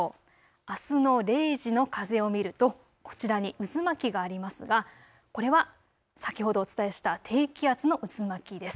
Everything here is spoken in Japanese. あすの０時の風を見るとこちらに渦巻きがありますがこれは先ほどお伝えした低気圧の渦巻きです。